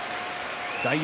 大栄